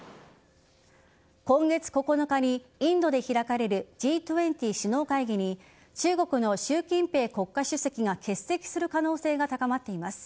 今月９日にインドで開かれるＧ２０首脳会議に中国の習近平国家主席が欠席する可能性が高まっています。